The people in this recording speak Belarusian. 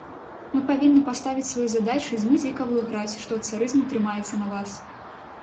Мы павінны паставіць сваёй задачай змыць векавую гразь, што ад царызму трымаецца на вас.